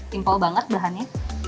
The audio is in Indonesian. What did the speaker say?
simple banget bahannya